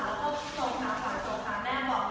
แล้วก็โทรค้างฝั่งโทรค้างแม่บอก